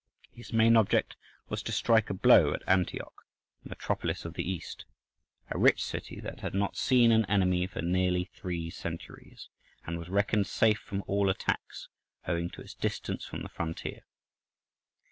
His main object was to strike a blow at Antioch, the metropolis of the East, a rich city that had not seen an enemy for nearly three centuries, and was reckoned safe from all attacks owing to its distance from the frontier.